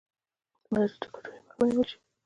د مدرسو د ګډوډیو مخه ونیول شي.